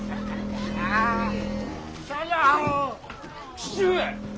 父上！